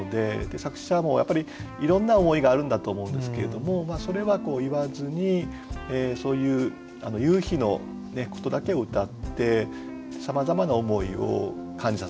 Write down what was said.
作者もやっぱりいろんな思いがあるんだと思うんですけれどもそれは言わずにそういう夕日のことだけをうたってさまざまな思いを感じさせるというね。